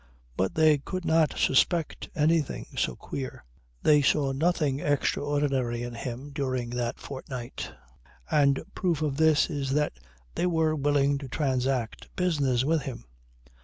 But they could not suspect anything so queer. They saw nothing extraordinary in him during that fortnight. The proof of this is that they were willing to transact business with him.